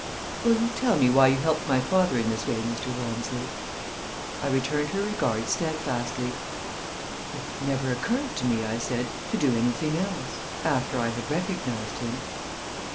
"Will you tell me why you helped my father in this way, Mr. Walmsley?" I returned her regard steadfastly. "It never occurred to me," I said, "to do anything else after I had recognized him."